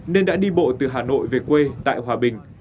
nên đã đi bộ từ hà nội về quê tại hòa bình